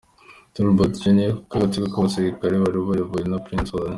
Tolbert Jr kuko agatsiko k’abasirikare bari bayobowe na Prince Y.